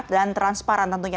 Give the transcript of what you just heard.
dan transparan tentunya